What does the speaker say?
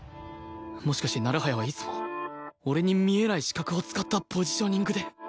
もしかして成早はいつも俺に見えない死角を使ったポジショニングで？